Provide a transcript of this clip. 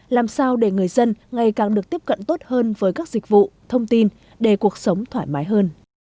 làm sao để người dân ngày càng được tiếp cận tốt hơn với các dịch vụ thông tin để cuộc sống thoải mái hơn